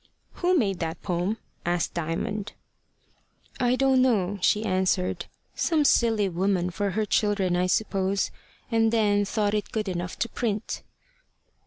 "Who made that poem?" asked Diamond. "I don't know," she answered. "Some silly woman for her children, I suppose and then thought it good enough to print."